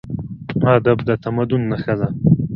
ادب د تمدن نښه ده.